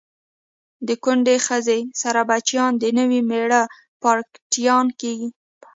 د کونډی خځی سره بچیان د نوي میړه پارکټیان کیږي